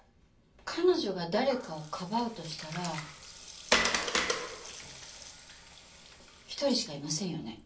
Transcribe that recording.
彼女が誰かをかばうとしたら１人しかいませんよね。